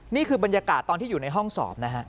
นี่คือบรรยากาศตอนที่อยู่ในห้องสอบนะฮะ